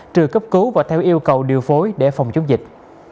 trừ cấp cứu và theo yêu cầu điều phối để phòng chống dịch